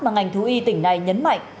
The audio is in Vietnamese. mà ngành thú y tỉnh này nhấn mạnh